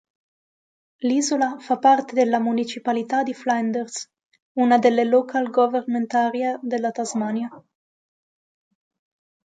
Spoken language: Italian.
L'isola fa parte della municipalità di Flinders, una delle Local Government Area della Tasmania.